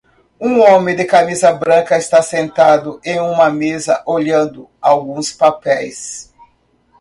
Um homem de camisa branca está sentado em uma mesa olhando alguns papéis